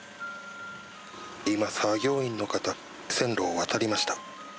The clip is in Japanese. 今、作業員の方線路を渡りました。